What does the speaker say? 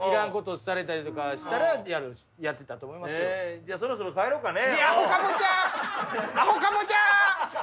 じゃあそろそろ帰ろうかね。